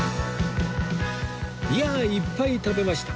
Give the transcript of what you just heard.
いやあいっぱい食べました